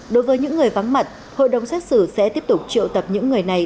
đối với những người vắng mặt hội đồng xét xử sẽ tiếp tục triệu tập những người này